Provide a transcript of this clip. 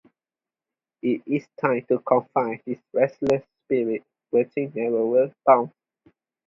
It is time to confine his restless spirit within narrower bounds.